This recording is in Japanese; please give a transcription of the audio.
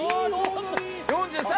４３